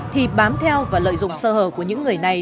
thì bám theo và lợi dụng sơ hở của những người này